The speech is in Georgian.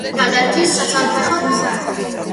გადადის საცალფეხო გზა.